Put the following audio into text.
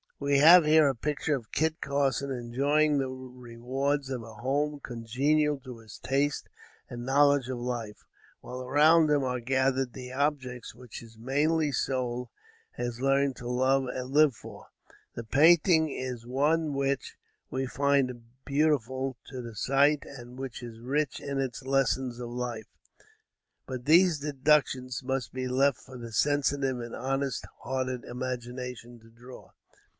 We have here a picture of Kit Carson enjoying the rewards of a home congenial to his taste and knowledge of life, while around him are gathered the objects which his manly soul had learned to love and live for. The painting is one which we find beautiful to the sight and which is rich in its lessons of life. But these deductions must be left for the sensitive and honest hearted imagination to draw.